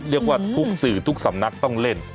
ทุกสื่อทุกสำนักต้องเล่น